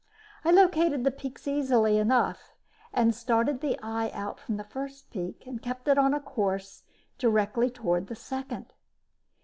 I located the peaks easily enough and started the eye out from the first peak and kept it on a course directly toward the second.